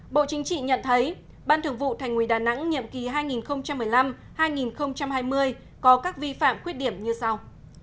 bộ chính trị nhận thấy ban thường vụ thành quỳ đà nẵng nhiệm kỳ hai nghìn một mươi năm hai nghìn hai mươi có các vi phạm khuyết điểm như sau